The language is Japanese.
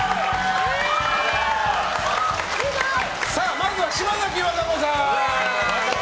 まずは島崎和歌子さん！